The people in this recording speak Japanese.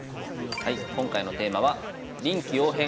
はい今回のテーマは「臨機応変！